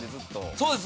そうです。